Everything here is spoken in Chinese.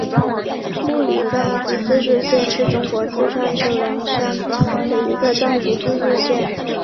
木里藏族自治县是中国四川省凉山彝族自治州西部所辖的一个藏族自治县。